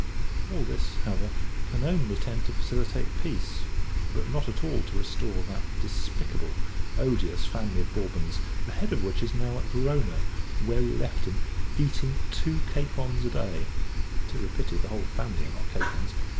All this, however, can only tend to facilitate peace, but not at all to restore that despicable, odious family of Bourbons the head of which is now at Verona, where we left him eating two capons a day; ('tis a pity the whole family are not capons!)